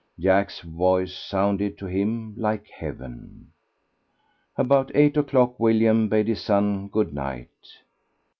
Jack's voice sounded to him like heaven. About eight o'clock William bade his son good night.